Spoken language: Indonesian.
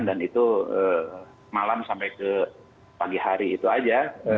dan itu malam sampai ke pagi hari itu aja